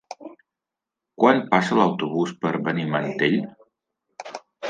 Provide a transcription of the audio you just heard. Quan passa l'autobús per Benimantell?